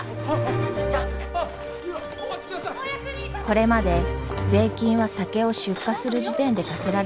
これまで税金は酒を出荷する時点で課せられていました。